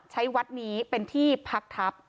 ใช้วัดนี้เป็นที่พักทัพ